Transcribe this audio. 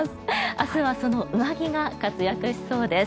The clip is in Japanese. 明日はその上着が活躍しそうです。